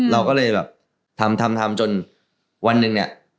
เราก็เลยแบบทำทำจนวันหนึ่งเนี่ย